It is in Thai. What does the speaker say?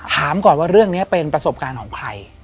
ถามก่อนว่าเรื่องนี้เป็นประสบการณ์ของใคร